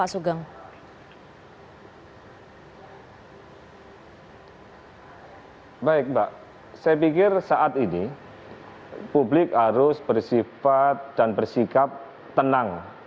baik mbak saya pikir saat ini publik harus bersifat dan bersikap tenang